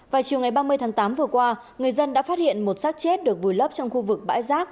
vào chiều ngày ba mươi tháng tám vừa qua người dân đã phát hiện một sát chết được vùi lấp trong khu vực bãi rác